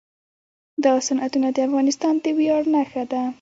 دا صنعتونه د افغانستان د ویاړ نښه ده.